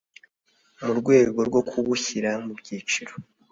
mu rwego rwo kubushyira mu byiciro